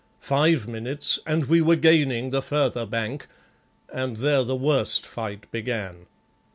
Five minutes and we were gaining the further bank, and there the worst fight began.